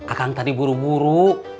akang tadi buru buru